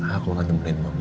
aku akan nemenin mama